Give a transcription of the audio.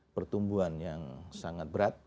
pertumbuhan yang sangat berat